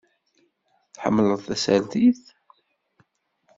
Tḥemmleḍ tasertit?